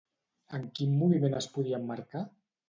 En quin moviment es podia emmarcar?